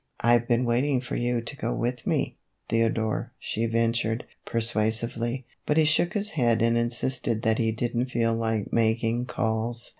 " I 've been waiting for you to go with me, Theo dore," she ventured, persuasively, but he shook his head and insisted that he did n't feel like making calls.